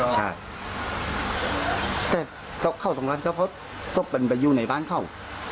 ใช่แต่เขาต้องรับผิดชอบเพราะต้องเป็นไปอยู่ในบ้านเข้า